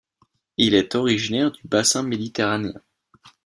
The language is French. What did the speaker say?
Il est originaire du bassin méditerranéen.